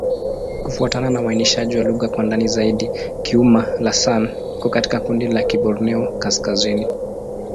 Kufuatana na uainishaji wa lugha kwa ndani zaidi, Kiuma'-Lasan iko katika kundi la Kiborneo-Kaskazini.